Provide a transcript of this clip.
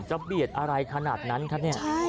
เบียดอะไรขนาดนั้นคะเนี่ย